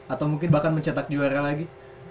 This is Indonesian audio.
atau mungkin bahkan mencetak juara lagi